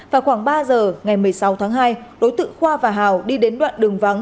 vào khoảng ba giờ ngày một mươi sáu tháng hai đối tượng khoa và hào đi đến đoạn đường vắng